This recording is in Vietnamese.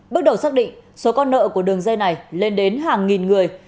bước đầu xác định số con nợ của đường dây này lên đến hàng nghìn người